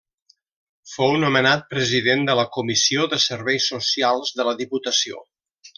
Fou nomenat president de la Comissió de Serveis Socials de la Diputació.